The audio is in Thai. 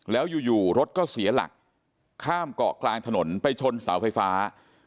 แล้วอยู่รถก็เสียหลักข้ามเกาะกลางถนนไปชนเสาไฟฟ้า